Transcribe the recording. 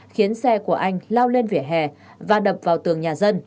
khiến xe của anh lao lên vỉa hè và đập vào tường nhà dân